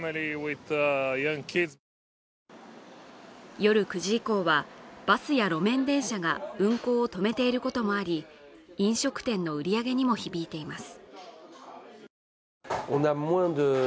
夜９時以降はバスや路面電車が運行を止めていることもあり飲食店の売り上げにも響いています。